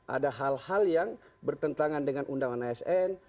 ada hal hal yang bertentangan dengan undangan asn